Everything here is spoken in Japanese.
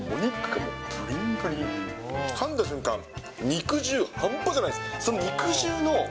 かんだ瞬間、肉汁、半端じゃないです。